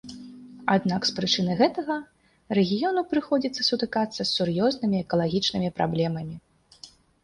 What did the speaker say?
Аднак з прычыны гэтага рэгіёну прыходзіцца сутыкацца з сур'ёзнымі экалагічнымі праблемамі.